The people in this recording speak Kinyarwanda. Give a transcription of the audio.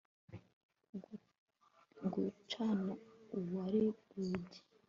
gucana uwa rugi